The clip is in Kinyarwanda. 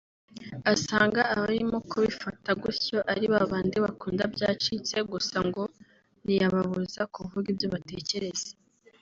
asanga abarimo kubifata gutyo ari babandi bakunda byacitse gusa ngo ntiyababuza kuvuga ibyo batekereza